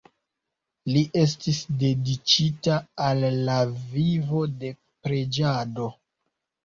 Li estis dediĉita al la vivo de preĝado.